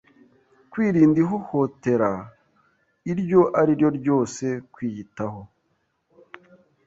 kwirinda ihohotera iryo ari ryo ryose, kwiyitaho